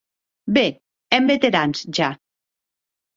Be èm veterans ja!.